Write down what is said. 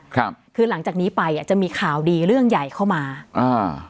ครับคือหลังจากนี้ไปอ่ะจะมีข่าวดีเรื่องใหญ่เข้ามาอ่า